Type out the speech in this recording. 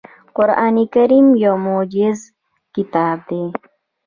قرآن کریم یو معجز کتاب دی .